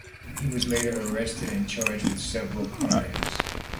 He was later arrested and charged with several crimes.